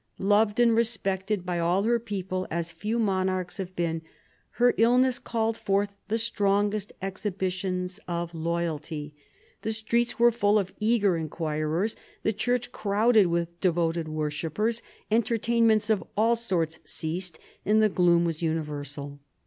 Loved and respected by all her people as few monarchs have been, her illness called forth the strongest exhibitions of loyalty. The streets were full of eager inquirers, the churches crowded with devoted worshippers ; entertainments of all sorts ceased, and the gloom was universal.